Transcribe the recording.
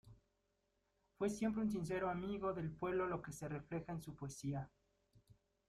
Fue siempre un sincero amigo del pueblo lo que se refleja en su poesía.